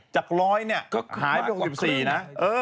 จาก๑๐๐นี่หายไป๖๔นะ